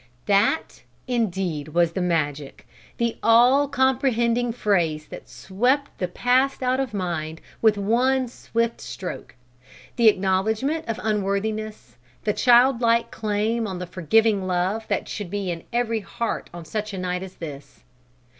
That, indeed, was the magic, the all comprehending phrase that swept the past out of mind with one swift stroke: the acknowledgment of unworthiness, the child like claim on the forgiving love that should be in every heart on such a night as this.